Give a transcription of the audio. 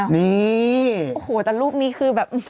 แต่รูปนี้คือแบบ